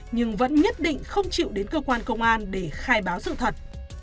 nhưng vẫn nhất định không chịu đến cơ quan công an để khai báo sự thật